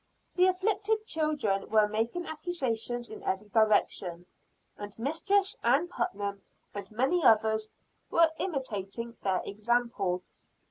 The "afflicted children" were making accusations in every direction, and Mistress Ann Putnam, and many others, were imitating their example.